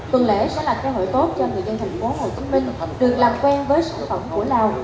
tuần lễ sẽ là cơ hội tốt cho người dân tp hcm được làm quen với sản phẩm của lào